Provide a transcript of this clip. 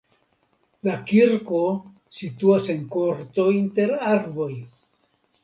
La kirko situas en korto inter arboj.